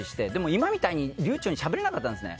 今みたいに流暢にしゃべれなかったんですね。